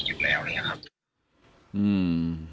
อืม